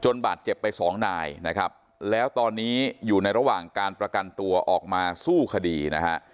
บาดเจ็บไปสองนายนะครับแล้วตอนนี้อยู่ในระหว่างการประกันตัวออกมาสู้คดีนะฮะ